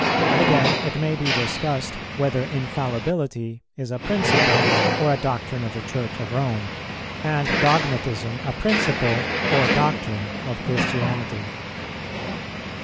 Again, it may be discussed whether infallibility is a principle or a doctrine of the Church of Rome, and dogmatism a principle or doctrine of Christianity.